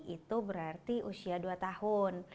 itu berarti usia dua tahun